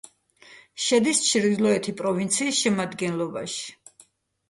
შედის ჩრდილოეთი პროვინციის შემადგენლობაში.